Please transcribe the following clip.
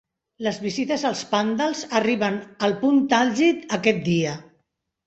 Les visites als "pandals" arriben al punt àlgid aquest dia.